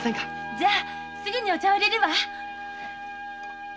じゃすぐにお茶をいれるわ。